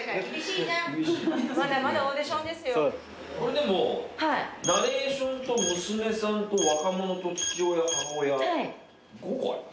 でもナレーションと娘さんと若者と父親母親５個ありますよ。